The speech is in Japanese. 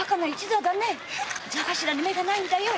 座頭に目がないんだよ。